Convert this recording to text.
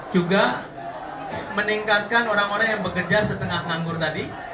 juga meningkatkan orang orang yang bekerja setengah nganggur tadi